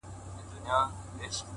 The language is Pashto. بس یوازي د یوه سړي خپلیږي؛